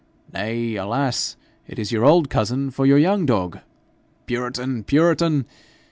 Nay, alas! it is your old cousin for your young dog. Puritan! puritan!